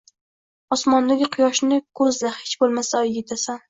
Osmondagi quyoshni ko'zla hech bo'lmasa Oyga yetasan.